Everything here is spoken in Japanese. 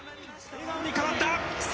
笑顔に変わった。